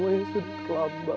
karena saya sedang lambat